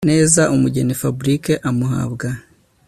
neza umugeni Fabric amuhabwa